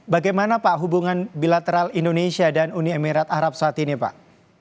bagaimana pak hubungan bilateral indonesia dan uni emirat arab saat ini pak